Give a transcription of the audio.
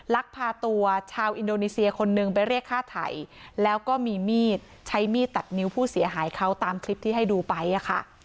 ลักพาตัวชาวอินโดนีเซียคนนึงไปเรียกฆ่าไถ่แล้วก็มีมีดใช้มีดตัดนิ้วผู้เสียหายเขาตามคลิปที่ให้ดูไปอะค่ะ